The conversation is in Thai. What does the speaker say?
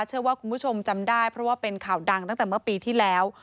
เชื่อว่าคุณผู้ชมจำได้เพราะว่าเป็นข่าวดังตั้งแต่เมื่อปีที่แล้ว